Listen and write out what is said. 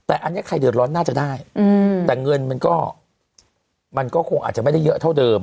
แต่อันนี้ใครเดือดร้อนน่าจะได้แต่เงินมันก็มันก็คงอาจจะไม่ได้เยอะเท่าเดิม